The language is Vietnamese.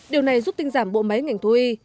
điều này giúp tinh giảm bộ máy ngành thú y